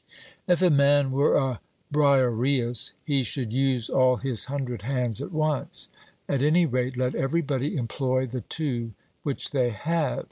If a man were a Briareus, he should use all his hundred hands at once; at any rate, let everybody employ the two which they have.